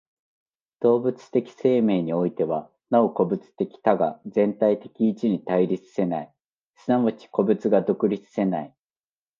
動物的生命においては、なお個物的多が全体的一に対立せない、即ち個物が独立せない。